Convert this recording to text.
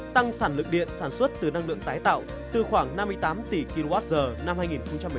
tăng sản lượng điện sản xuất từ năng lượng tái tạo từ khoảng năm mươi tám tỷ kwh năm hai nghìn một mươi chín